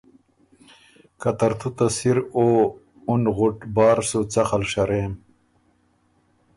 که ترتُو ته سِر او اُن غُټ بار سو څخل شرېم،